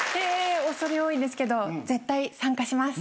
恐れ多いですけど絶対参加します。